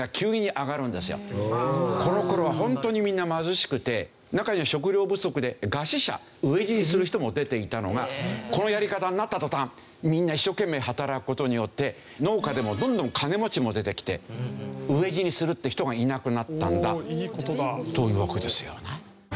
この頃はホントにみんな貧しくて中には食料不足で餓死者飢え死にする人も出ていたのがこのやり方になった途端みんな一生懸命働く事によって農家でもどんどん金持ちも出てきて飢え死にするっていう人がいなくなったんだというわけですよね。